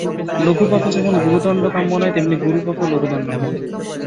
লঘু পাপে যেমন গুরুদণ্ড কাম্য নয়, তেমনি গুরু পাপেও লঘুদণ্ড নয়।